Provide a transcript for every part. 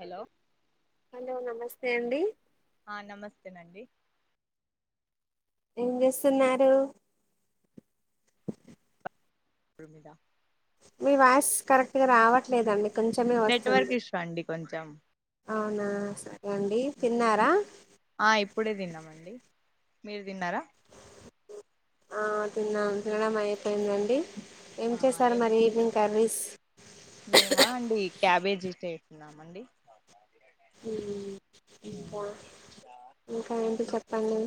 Hello hello నమస్తే అండి ఆ నమస్తేనండి ఏం చేస్తున్నారు రరిమిదా మీ వాయిస్ కరెక్ట్ గా రావట్లేదండి కొంచమే వస్తుంది కొంచం అవునా సరే ఏమండి తిన్నారా ఆ ఇప్పుడే తిన్నామండి మీరు తిన్నారా ఆ తిన్నాడ అయిపోయిందండి ఏం ఆ చేసారు ఏ మరి ఈవినింగ్ కర్రీస్ మేమా అండి క్యాబేజీ అజస్ట్ అవుతున్నామండి ఇంకా ఇంకా ఏంటి చెప్పండి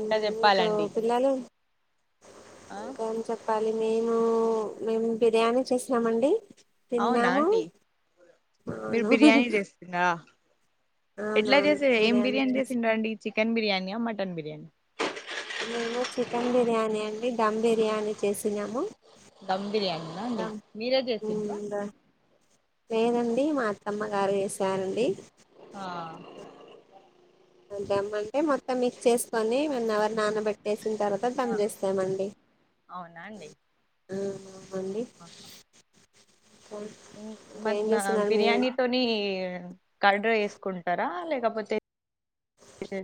ఇంకా మీకు చెప్పాలండి పిల్లలు ఆ ం చెప్ప ప్పాలి మేను మేము బిర్యానీ చేసినామ అండి అవునా అండి మీరు అవును బిర్యానీ చేస్తున్నా ఎట్లా అవునవును చేసే ఏం బిర్యానీ చేసి చేసిండ అండి చికెన్ బిర్యానీ మటన్ బిర్యానీ మేము చికెన్ బిర్యానీ అండి మ్ బిర్యానీ చేసినాము ధమ్ బిర్యానీనా అండి మీరే చేసింది బ నేనండి మా అత్తమ్మ గారు వేసారండి ఆ దమ్మంటే మొత్తం మిక్స్ చేసుకొని వన్ అవర్ నానబట్టే ఆ తవాస్తాం అవునా అండి అ ఇ మ మీరు బిర్యానీతోని కడ్డ్రా వేసుకుంటారా లేకపోతే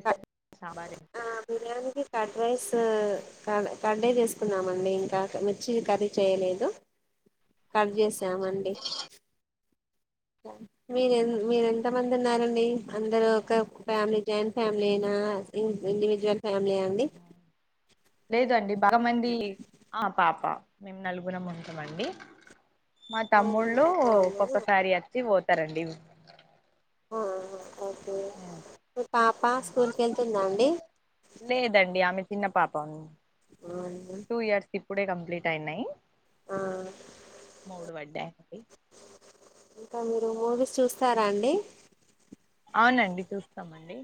క- సాబార బిర్యానీకి కట్ రైస్ క కట్టే చేసుకున్నామండి ఇంకా మిర్చి కర్రీ చేయలేదు కట్ చేసామండి మీర మీరెంత మంది ఉన్నారండి అందరరూ ఒకే ఒక ఫ్యామిలీ జాయింట్ ఫ్యామిలీ యే నా ఇండివిజువల్ ఫ్యామిలీ అండి లేదు అండి బాగా మంది ఆ పాప మేము నలుగుర ఉంటామండి మా అవును తమ్ముళ్ళు అవును. ఒక్కొక్కసారి వచ్చి పోతరు స్తరండి ఆ ఓకే మీ పాప స్కూల్కి వెళ్తుందా అండి లేదండి ఆమె చిన్న పాపంం టూ ఇయర్స్ క ఇప్పుడే కంప్లీట్ అయినాయి ఆ మూడు వాడ్డా ఇంకా మీరు మూవీస్ చూస్తారా అండి అవునండి చూస్తామండి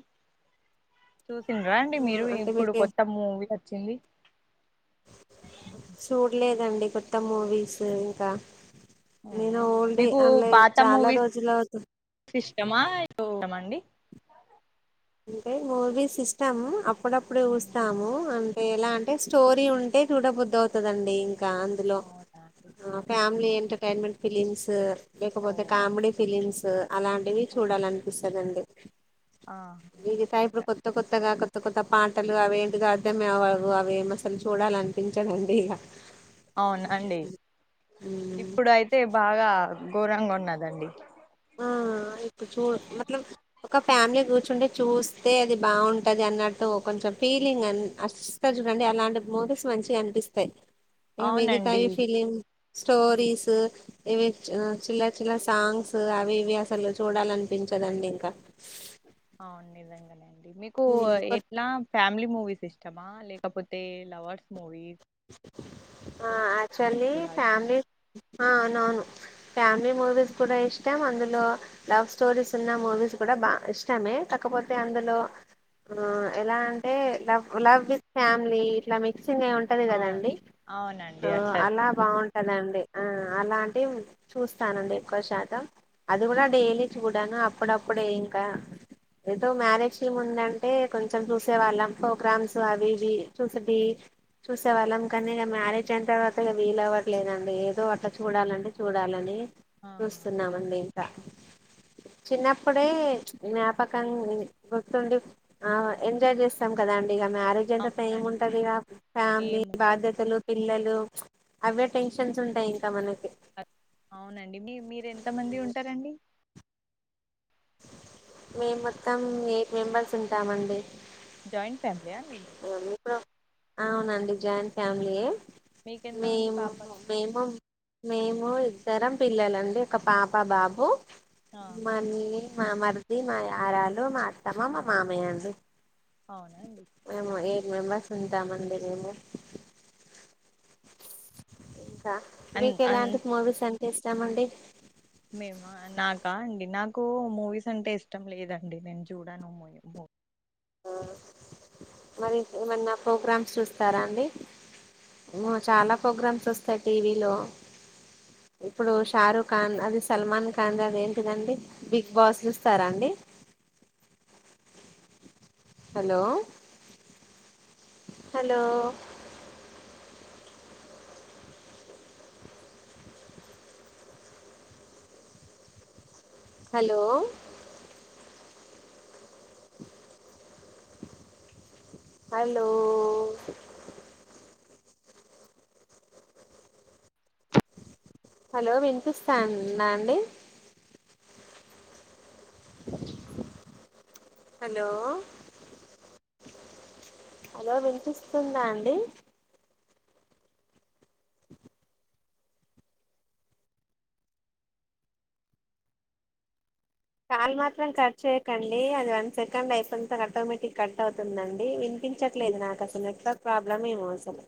చూసిండ్రా ఆ, అండి మీరు అంటే ఇప్పుడు మీకు కొత్త మూవీ వచ్చింది చూడలేదండి కొత్త మూవీస్ ఇంకా నేను ఓల్డ్ మీకు అన్లే పాత చాలా మూవీ రోజులు అవుతుంది ఇష్టమా చూ అడి అంటే మూవీస్ ఇష్టము అప్పుడప్పుడు వస్తాము ఎలా అంటే స్టోరీ ఉంటే చూడబుద్దవుతది అండి అందులో అవునా అండి ఫ్యామిలీ ఏంట ఎంటైన్మెంట్ ఫిలిమ్స్ ఓ లేకపోతే అచ్చ. కామెడీ ఫిలిమ్స్ అలాంటివి ఆ, చూడాలనిపిస్తుందిండి ఆహా. ఇది సాయిబడు కొత్త కొత్తగాక కొత్త కొత్త పాటలు అవి ఏంటిదో అర్థమవ్వవు అవి ఏమ అసలు చూడాల అనిపించడండి ఇగ అవును అండి ఇప్పుడు అయితే బాగా ఘోరంగా ఉన్నదండి కు చో మలం ఒక ఫ్యామిలీ కూర్చుంటే చూస్తే అది బాగుంటది అన్నట్టు కొంచెం ఫీలింగ్ అని అస్తారు చూడండి అలాంటి మూవీస్ మంచిగా అనిపిస్తాయి మెది అవునండి తారి ఫిలిమ్ స్టోరీస్ ఇవి చిల్ చిల సాంగ్స్ అవి ఇవి అసలు చూడాలనిపించదండి ఇంకా అవును నిజంగానేండి మీకు కొత్త ఎట్లా ఫ్యామిలీ మూవీస్ ఇష్టమా లేక కాకపోతే లవర్స్ మూవీస్ ఆ క్చువల్లీ కూడా ఫ్యామిలీ అవునవును ఫ్యామిలీ మూవీస్ కూడా ఇష్టం అందులో లవ్ స్టోరీస్ ఉన్న మూవీస్ కూడా బాగా ఇష్టమే కాకపోతే అందులో ఆ ఎలా అంటే లవ్ లవ్ విత్ ఫ్యామిలీ ఇట్లా మిక్స్ంగ్ ఒది ఇష్టమా? అవును కదండి అవునండి అట్లా అలా ఇష్టమా బాగుంటదండి ఆ అలాంటివి చూస్తానండి ఎక్కువ శాతం అది కూడా ఆ డైలీ చూ చడాను అప్పుడప్పుడే ఇంకా ఏదొ మ్యారేజ్ టీముందంటె అంటే కొంచెం చూసే వాళ్ళం ప్రోగ్రామ్స్ అవి ఇవి చూసటి చూసేవాళ్ళం కానీ ఇక మ్యారేజ్ అయిన తర్వాత ఇక వీలవ్వట్లేదండి ఏదో అట్లా చూడాలండి చూడాలని ఆహా చూస్తున్నామండిీ చిన్నప్పుడే జ్ఞాపకాన్ని గుర్తుండి ఆ ఎంజాయ్ చేస్తాం కదాండి ఇక మ్యారేజ్ అంతా సేమ్ అవునండి ఉంటది ఇక ఫ్యామిలి ఏం ఉండదండి బాధ్యతలు పిల్లలు అవే టెన్షన్స్ ఉంటాయి ఇంకా మనకి అవునండి మీ మీరెంత మంది ఉంటారండి మేము మొత్తం ఎయిట్ మెంబర్స్ ఉంటామండి జాయింట్ ఫ్యామి అమప్పు అవునండి జాయింట్ ఫ్యామిలీ మీకెంత మంది మేము పాప మేము మేము ఇద్దరం పిల్లలండి ఒక పాప బాబు ఆ మనీ మా మరది మా యారళ మా అత్తమ్ మా మామయలు అవును మేమ ఉంతామందిరంలో అ అన్ మీకు అన్ ఎలాంటి మూవీస్ అంట చేస్తామండి మేము నాకా అండి నాకు మూవీస్ అంటే ఇష్టం లేదండి నేను చూడాను మూీ మరి ఏమన్నా ప్రోగ్రామ్స్ చూస్తారా అండి చాలా ప్రోగ్రామ్స్ వస్తాయి టీవీలో ఇప్పుడు షారుఖ్ ఖాన్ అది సల్మాన్ ఖాన్ అది ఏంటిదండి బిగ్ బాస్ చూస్తారాండి hello hello hello hello hello మించుస్తాం అండి హలో హలో వింతస్తుందా అండి కాల్ మాత్రం కట్ చేయకండి అది వన్ సెకండ్ అయిపోయిన ఆటోమేటిక్ కట్ అవుతుందండి వినిపించట్లేదు నాకు అసలు నెట్వర్క్ ప్రాబ్లమేమో అసలు